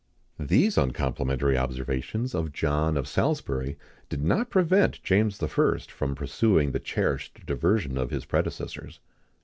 [XIX 45] These uncomplimentary observations of John of Salisbury did not prevent James I. from pursuing the cherished diversion of his predecessors.